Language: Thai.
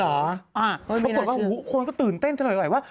อ่าปรากฏว่าคนก็ตื่นเต้นขนาดไหนว่า